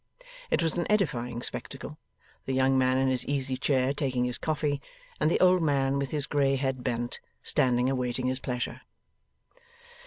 It was an edifying spectacle, the young man in his easy chair taking his coffee, and the old man with his grey head bent, standing awaiting his pleasure.